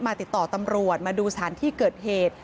ติดต่อตำรวจมาดูสถานที่เกิดเหตุ